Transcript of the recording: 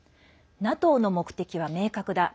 ＮＡＴＯの目的は明確だ。